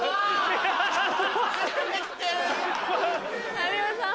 有吉さん